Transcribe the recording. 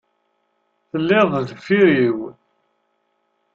Telliḍ deffir-iw.